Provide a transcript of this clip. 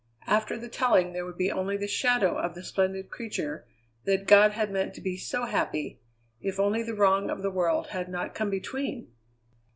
After the telling there would be only the shadow of the splendid creature that God had meant to be so happy, if only the wrong of the world had not come between!